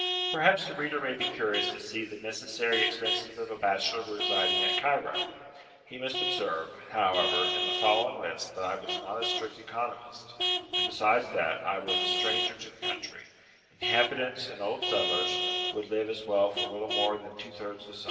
Perhaps the reader may be curious to see the necessary expenses of a bachelor residing at Cairo. He must observe, however, in the following list that I was not a strict economist, and, besides that, I was a stranger in the country: inhabitants and old settlers would live as well for little more than two thirds the sum.